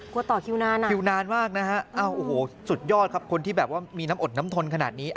ต่อคิวนานอ่ะคิวนานมากนะฮะโอ้โหสุดยอดครับคนที่แบบว่ามีน้ำอดน้ำทนขนาดนี้